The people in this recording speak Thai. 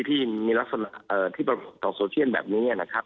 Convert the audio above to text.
ที่มีลักษณะที่ต่อโซเชียลแบบนี้นะครับ